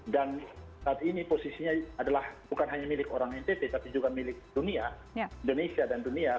dan saat ini posisinya adalah bukan hanya milik orang ntp tapi juga milik dunia indonesia dan dunia